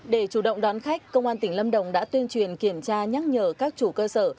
để chủ động đón khách công an tỉnh lâm đồng đã tuyên truyền kiểm tra nhắc nhở các chủ cơ sở